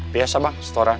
biasa bang setoran